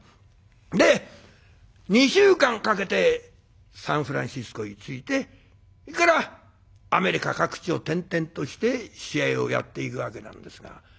で２週間かけてサンフランシスコに着いてそれからアメリカ各地を転々として試合をやっていくわけなんですが。